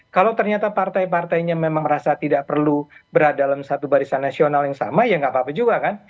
kalau ternyata partai partainya memang rasa tidak perlu berada dalam satu barisan nasional yang sama ya nggak apa apa juga kan